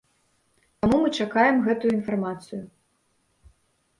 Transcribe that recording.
Таму мы чакаем гэтую інфармацыю.